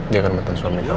dia akan matang suami kamu